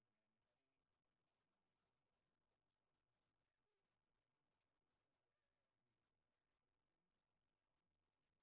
yang memimpin dan mencari pembahasan tentang kondisi perjalanan dari pdi pdi sumarno